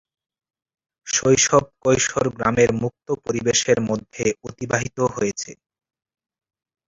শৈশব কৈশোর গ্রামের মুক্ত পরিবেশের মধ্যে অতিবাহিত হয়েছে।